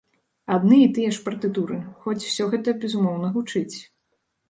Адны і тыя ж партытуры, хоць усё гэта, безумоўна, гучыць.